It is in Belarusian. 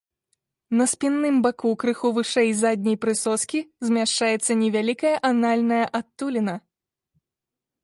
На спінным баку крыху вышэй задняй прысоскі змяшчаецца невялікая анальная адтуліна.